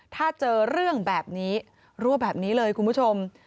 ถ้าเจอเรื่องแบบนี้รั่วแบบนี้เลยคุณผู้ชม